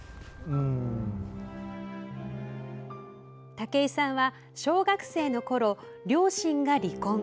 武井さんは、小学生のころ両親が離婚。